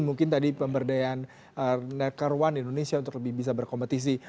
mungkin tadi pemberdayaan naker one indonesia untuk lebih bisa berkompetisi